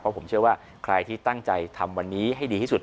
เพราะผมเชื่อว่าใครที่ตั้งใจทำวันนี้ให้ดีที่สุด